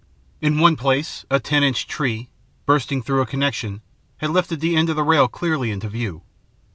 In one place, a ten inch tree, bursting through at a connection, had lifted the end of a rail clearly into view.